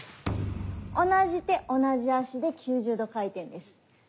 同じ手同じ足で９０度回転です。